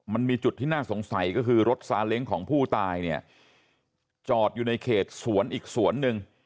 มันมีจุดที่น่าสงสัยก็คือรถซาเล้งของผู้ตายเนี่ยจอดอยู่ในเขตสวนอีกสวนหนึ่ง